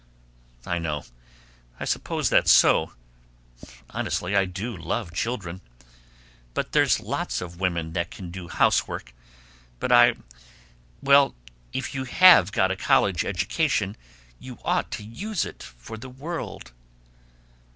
I know. I suppose that's so. Honestly, I do love children. But there's lots of women that can do housework, but I well, if you HAVE got a college education, you ought to use it for the world."